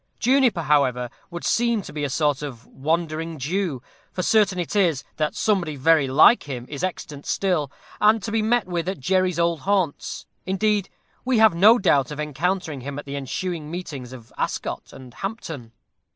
Juniper, however, would seem to be a sort of Wandering Jew, for certain it is, that somebody very like him is extant still, and to be met with at Jerry's old haunts; indeed, we have no doubt of encountering him at the ensuing meetings of Ascot and Hampton.